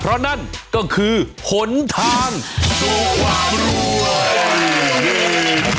เพราะนั่นก็คือหนทางสู่ความรวย